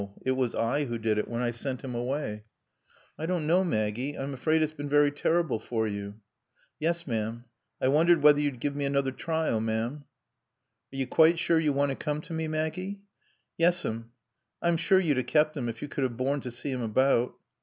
It was I who did it when I sent him away. "I don't know, Maggie. I'm afraid it's been very terrible for you." "Yes, ma'am.... I wondered whether you'd give me another trial, ma'am." "Are you quite sure you want to come to me, Maggie?" "Yes'm.... I'm sure you'd a kept him if you could have borne to see him about."